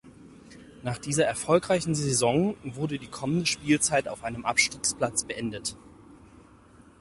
Nach dieser erfolgreichen Saison wurde die kommende Spielzeit auf einem Abstiegsplatz beendet.